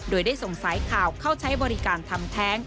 โดยได้ส่งสายข่าวเข้าใช้บริการทำแท้ง